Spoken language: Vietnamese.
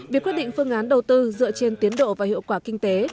việc quyết định phương án đầu tư dựa trên tiến độ và hiệu quả kinh tế